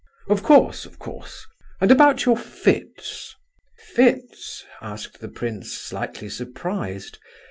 "Of course, of course! And about your fits?" "Fits?" asked the prince, slightly surprised.